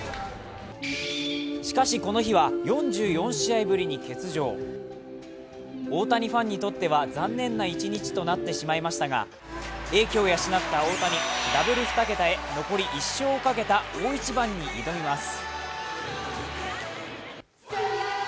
しかし、この日は４４試合ぶりに欠場大谷ファンにとっては残念な一日となってしまいましたが英気を養った大谷ダブル２桁へ残り１勝をかけた大一番に挑みます